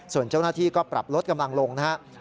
ส่วนเจ้าหน้าที่ก็ปรับลดกำลังลงนะครับ